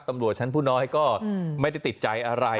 ตำรวจชั้นผู้น้อยก็ไม่ได้ติดใจอะไร